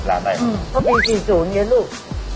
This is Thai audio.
เพราะมีจีนจูนเยอะลูก